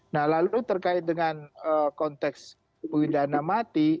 nah lalu terkait dengan konteks pidana mati